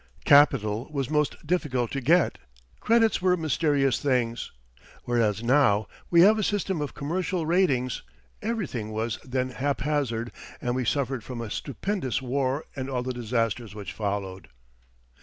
Capital was most difficult to get, credits were mysterious things. Whereas now we have a system of commercial ratings, everything was then haphazard and we suffered from a stupendous war and all the disasters which followed.